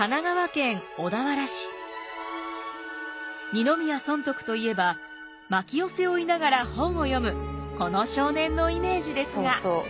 二宮尊徳といえばまきを背負いながら本を読むこの少年のイメージですが。